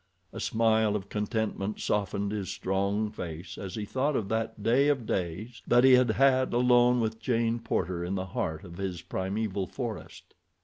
A smile of contentment softened his strong face as he thought of that day of days that he had had alone with Jane Porter in the heart of his primeval forest.